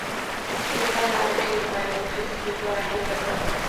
His father was killed by an officer before he was born.